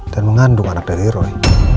dan mengandung anak dari roy